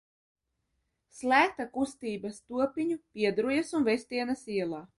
Slēgta kustība Stopiņu, Piedrujas un Vestienas ielā.